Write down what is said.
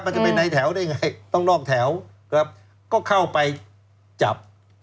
มันจะเป็นในแถวได้ไงต้องนอกแถวครับก็เข้าไปจับ